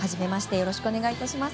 よろしくお願いします。